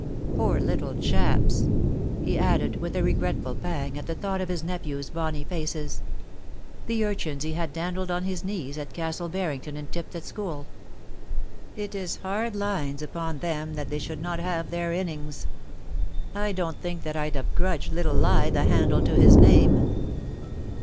... Poor little chaps !' he added, with a regretful pang at the thought of his nephews' bonnie faces — the urchins he had dandled on his knees at Castle Barrington and tipped at school * It is hard lines upon them that they should not have their innings. I don't think that I'd have grudged little Li the handle to his name.